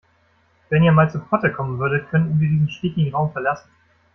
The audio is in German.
Wenn ihr mal zu Potte kommen würdet, könnten wir diesen stickigen Raum verlassen.